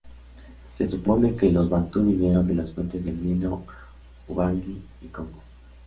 Se supone que los bantú vinieron de las fuentes del Nilo, Ubangui y Congo.